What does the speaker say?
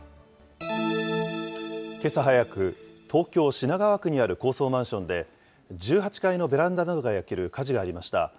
けさ早く、東京・品川区にある高層マンションで、１８階のベランダなどが焼ける火事がありました。